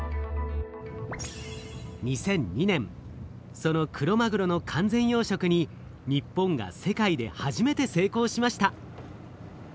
２００２年そのクロマグロの完全養しょくに日本が世界で初めて成功しました。